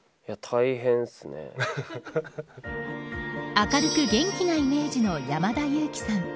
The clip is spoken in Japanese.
明るく元気なイメージの山田裕貴さん。